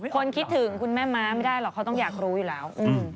คนคิดถึงคุณแม่ม้าไม่ได้หรอกเขาต้องอยากรู้อยู่แล้ว